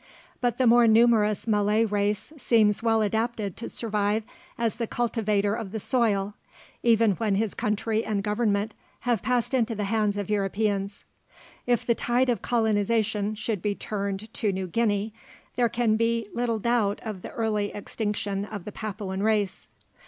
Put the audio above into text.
But the more numerous Malay race seems well adapted to survive as the cultivator of the soil, even when his country and government have passed into the hands of Europeans. If the tide of colonization should be turned to New Guinea, there can be little doubt of the early extinction of the Papuan race.